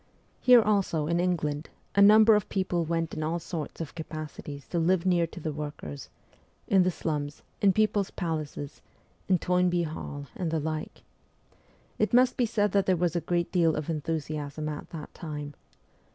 Here also, in England, a number of people went in all sorts of capacities to live near to the workers : in the slums, in people's palaces, in Toynbee Hall, and the like. It must be said that there was a great deal of enthusiasm at that time.